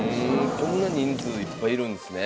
こんな人数いっぱいいるんですね。